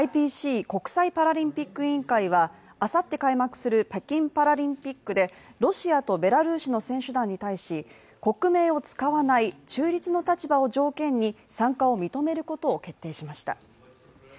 ＩＰＣ＝国際パラリンピック委員会はあさって開幕する北京パラリンピックでロシアとベラルーシの選手団に対し国名を使わない中立の立場を条件に参加を認めることを決定しました。